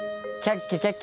キャッキャ